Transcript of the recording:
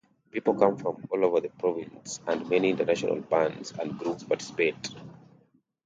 People come from all over the province and many international bands and groups participate.